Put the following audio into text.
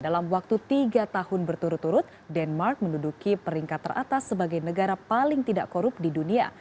dalam waktu tiga tahun berturut turut denmark menduduki peringkat teratas sebagai negara paling tidak korup di dunia